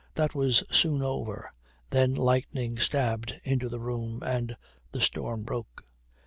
That was soon over. Then lightning stabbed into the room, and the storm broke.